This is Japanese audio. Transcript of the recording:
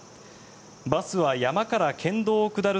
バスは山から県道を下る